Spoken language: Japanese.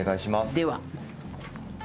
では。